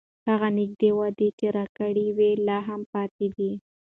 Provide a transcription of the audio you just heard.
هغه نږدې وعده چې چا راکړې وه، لا هم پاتې ده.